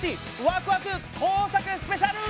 ワクワク工作スペシャル！